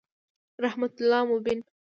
رحمت الله مبین